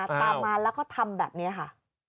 ตามมาแล้วก็ทำแบบนี้ค่ะ